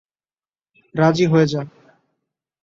রাজি হয়ে যা।